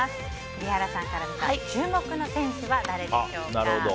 栗原さんから見た注目の選手は誰でしょうか。